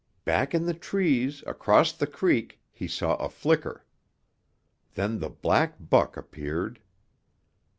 Back in the trees across the creek he saw a flicker. Then the black buck appeared.